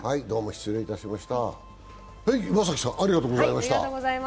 どうも失礼いたしました。